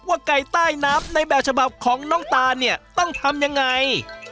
ไก่ใต้น้ำในแบบฉบับของน้องตาเนี่ยต้องทำยังไง